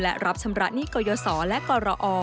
และรับชำระหนี้เกายสอและกรออร์